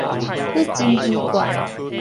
你真奇怪